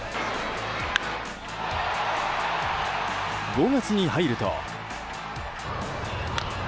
５月に入ると。